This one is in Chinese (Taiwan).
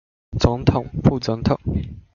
總統、副總統